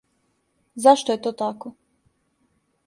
Зашто је то тако?